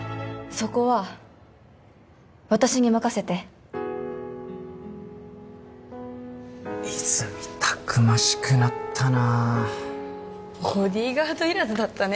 そこは私に任せて泉たくましくなったなボディーガードいらずだったね